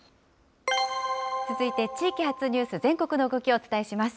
続いて地域発ニュース、全国の動きをお伝えします。